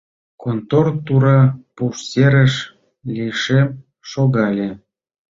Контор тура пуш серыш лишем шогале.